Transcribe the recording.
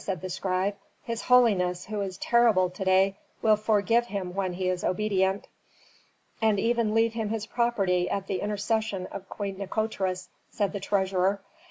said the scribe. "His holiness, who is terrible to day, will forgive him when he is obedient." "And even leave him his property at the intercession of Queen Nikotris," said the treasurer.